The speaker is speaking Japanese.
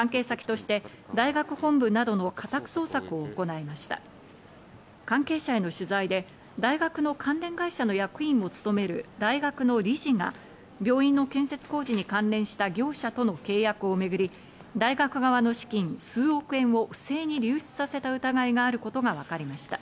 その後の関係者への取材で大学の関連会社の役員を務める大学の理事が、病院の建設工事に関連した業者との契約をめぐり、大学側の資金、数億円を不正に流出させた疑いがあることがわかりました。